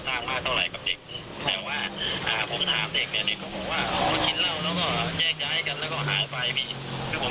อ่ออ่าผมก็เลยนิ่งเจ๋ยอยู่พักนึงก็คือไม่ถึงกับนิ่งเจ๋ยหรอก